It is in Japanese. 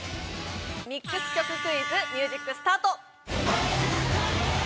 ミックス曲クイズミュージックスタート！